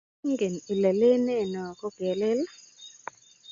ingen ile leene noo ko ke lel